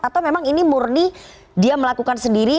atau memang ini murni dia melakukan sendiri